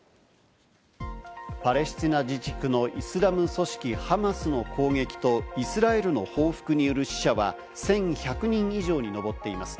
パレスチナ自治区のイスラム組織＝ハマスの攻撃と、イスラエルの報復による死者は１１００人以上に上っています。